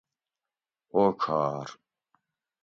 اوڄھار